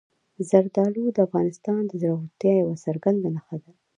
زردالو د افغانستان د زرغونتیا یوه څرګنده نښه ده.